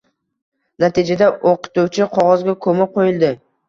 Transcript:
Natijada o`qituvchi qog`ozga ko`mib qo`yildi